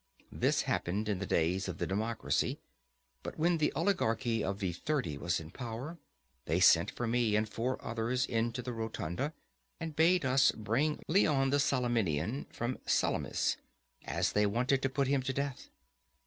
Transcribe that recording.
This happened in the days of the democracy. But when the oligarchy of the Thirty was in power, they sent for me and four others into the rotunda, and bade us bring Leon the Salaminian from Salamis, as they wanted to put him to death.